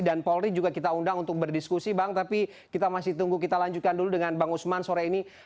dan polri juga kita undang untuk berdiskusi bang tapi kita masih tunggu kita lanjutkan dulu dengan bang usman sore ini